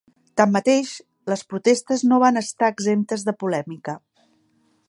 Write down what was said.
Tanmateix, les protestes no van estar exemptes de polèmica.